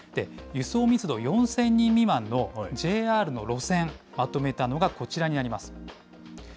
輸送密度４０００人未満のＪＲの路線、まとめたのがこちらになります。